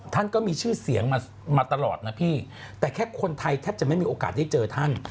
ท่านก็มีชื่อเสียงมาตลอดนะพี่แต่แค่คนไทยแทบจะไม่มีโอกาสได้เจอท่าน